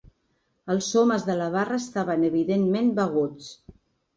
Els homes de la barra estaven evidentment beguts.